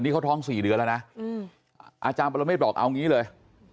นี่เขาท้อง๔เดือนแล้วนะอาจารย์ปรเมฆบอกเอางี้เลย